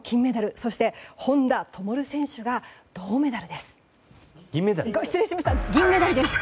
そして本多灯選手が銀メダルです。